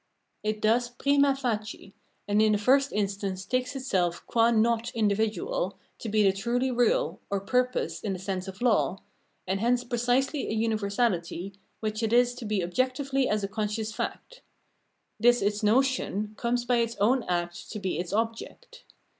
It thus prima facie and in the first instance takes its self qua not individual to be the truly real, or purpose in the sense of law, and hence precisely a universahty, which it is to be objectively as a conscious fact. This its notion comes by its own act to be its object.